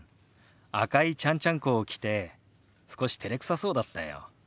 赤いちゃんちゃんこを着て少してれくさそうだったよ。